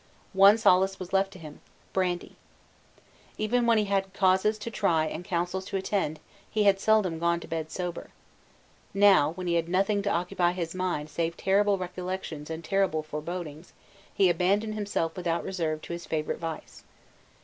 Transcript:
One solace was left to him, brandy. Even when he had causes to try and councils to attend, he had seldom gone to bed sober. Now, when he had nothing to occupy his mind save terrible recollections and terrible forebodings, he abandoned himself without reserve to his favourite vice.